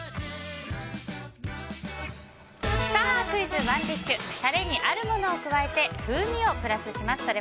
クイズＯｎｅＤｉｓｈタレにあるものを加えて風味をプラスします。